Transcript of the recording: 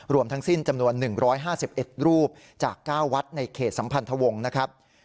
รวมทั้งสิ้นจำนวน๑๕๑รูปจาก๙วัดในเขตสัมพันธวงศ์นะครับ